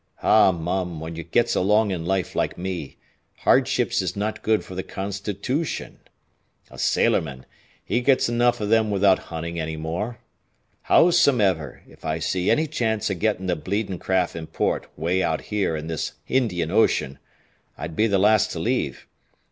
"Ah, mum, when you gets along in life like me, hardships is not good for the constitootion. A sailorman, 'e gets enough o' them without huntin' any more. Howsumever, if I see any chance o' gettin' the bleedin' craft in port 'way out here in this Hindian Ocean, I'd be the last to leave.